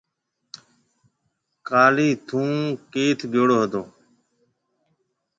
ڪاليَ ٿُون ڪيٿ گيوڙو هتو۔